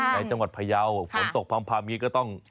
ในจังหวัดพยาวฝนตกพ่อมพ่อมอย่างนี้ก็ต้อง